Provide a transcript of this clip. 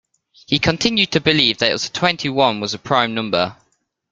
He continued to believe that twenty-one was a prime number